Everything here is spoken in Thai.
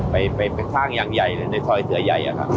ไปสร้างอย่างใหญ่เลยในซอยเสือใหญ่ครับ